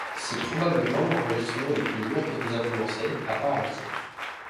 C'est probablement l'enregistrement le plus lourd que nous avons lancé - à part entière.